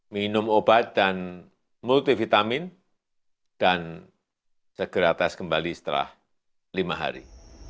minum obat dan multivitamin dan segera tes kembali setelah lima hari